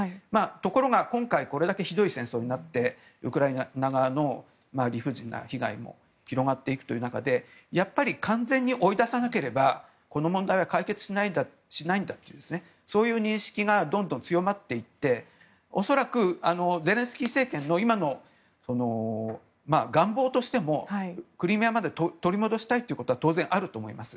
ところが、今回これだけひどい戦争になってウクライナ側の理不尽な被害も広がっていくという中でやっぱり完全に追い出さなければこの問題は解決しないとそういう認識がどんどん強まっていって恐らくゼレンスキー政権の今の願望としてもクリミアまで取り戻したいというのは当然、あると思います。